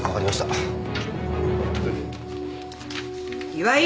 岩井！